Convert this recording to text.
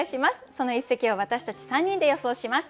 その一席を私たち３人で予想します。